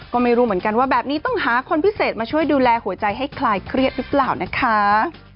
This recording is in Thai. ก็ไม่รู้เหมือนกันว่าแบบนี้ต้องหาคนพิเศษมาช่วยดูแลหัวใจให้คลายเครียดหรือเปล่านะคะ